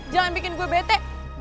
jangan bikin gue bete